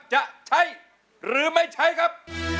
จะใช้หรือไม่ใช้ครับ